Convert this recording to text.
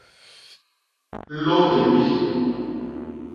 Lô hyémbi.